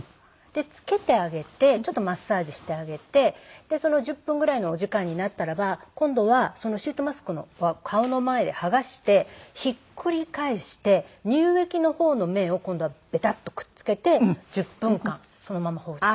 でつけてあげてちょっとマッサージしてあげてその１０分ぐらいのお時間になったらば今度はそのシートマスクは顔の前で剥がしてひっくり返して乳液の方の面を今度はベタッとくっ付けて１０分間そのまま放置。